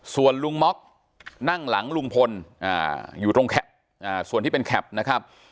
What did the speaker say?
ส่วนลุงม็อกนั่งหลังลุงพลอยู่ตรงส่วนที่เป็นแคปนะครับ